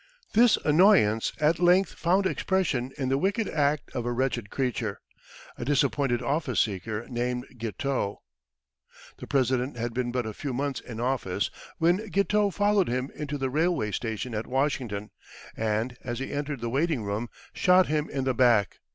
This annoyance at length found expression in the wicked act of a wretched creature, a disappointed office seeker, named Guiteau. The new President had been but a few months in office, when Guiteau followed him into the railway station at Washington, and, as he entered the waiting room, shot him in the back.